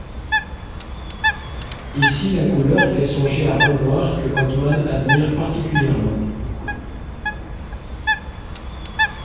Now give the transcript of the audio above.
Ici, la couleur fait songer à Renoir, que Ottmann admire particulièrement.